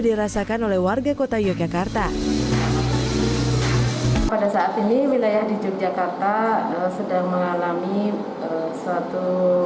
dirasakan oleh warga kota yogyakarta pada saat ini wilayah di yogyakarta sedang mengalami suatu